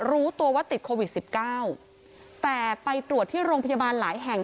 รู้ตัวว่าติดโควิดสิบเก้าแต่ไปตรวจที่โรงพยาบาลหลายแห่ง